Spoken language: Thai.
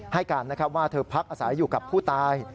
ให้การนะครับว่าเธอพักอาศัยอยู่กับผู้ตาย